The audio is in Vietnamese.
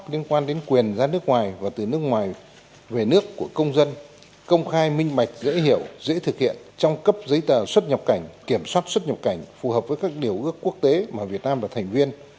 liên quan đến quyền ra nước ngoài và từ nước ngoài về nước của công dân công khai minh bạch dễ hiểu dễ thực hiện trong cấp giấy tờ xuất nhập cảnh kiểm soát xuất nhập cảnh phù hợp với các điều ước quốc tế mà việt nam là thành viên